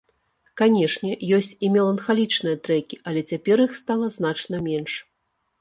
Канешне, ёсць і меланхалічныя трэкі, але цяпер іх стала значна менш.